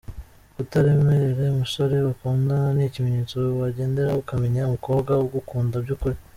Kutaremerera umusore bakundana, ni ikimenyetso wagenderaho ukamenya umukobwa ugukunda by’ukuri.